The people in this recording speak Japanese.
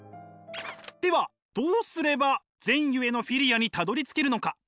ではどうすれば善ゆえのフィリアにたどりつけるのか？